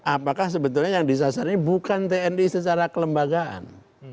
apakah sebetulnya yang disasar ini bukan tni secara kelembagaan